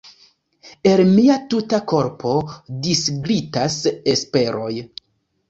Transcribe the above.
El mia tuta korpo disglitas Esperoj.